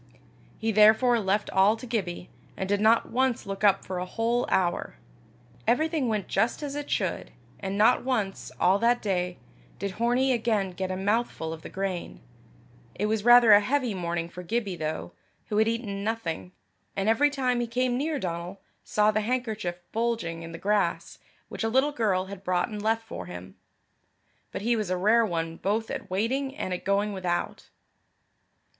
He therefore left all to Gibbie, and did not once look up for a whole hour. Everything went just as it should; and not once, all that day, did Hornie again get a mouthful of the grain. It was rather a heavy morning for Gibbie, though, who had eaten nothing, and every time he came near Donal, saw the handkerchief bulging in the grass, which a little girl had brought and left for him. But he was a rare one both at waiting and at going without.